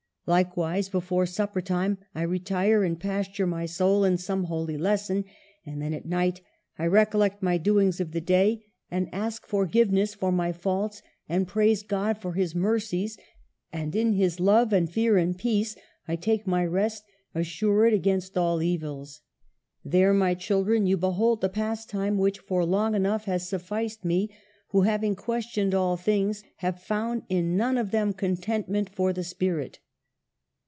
Likewise before supper time I retire and pasture my soul in some holy lesson ; and then at night I recollect my doings of the day, and ask THE '' HEPTAMERON:' 221 forgiveness for my faults, and praise God for His mercies ; and in His love and fear and peace I take my rest, .assured against all evils. There, my children, you behold the pastime which, for long enough, has sufficed me, who, having questioned all things, have found in none of them contentment for the spirit.